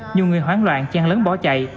nhiều người hoán loạn trang lớn bỏ chạy